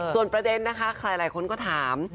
ส่วนประเด็นนะคะใครหลายคนก็ถาม